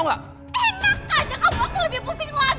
enak aja kamu aku lebih putin lagi